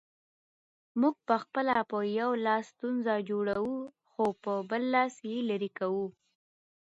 موږ پخپله په یو لاس ستونزه جوړوو، خو په بل لاس یې لیري کوو